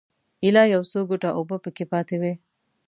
ایله یو څو ګوټه اوبه په کې پاتې وې.